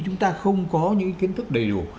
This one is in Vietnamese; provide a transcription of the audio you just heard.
chúng ta không có những kiến thức đầy đủ